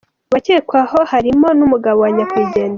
Mu bakekwa harimo n’ umugabo wa Nyakwigendera.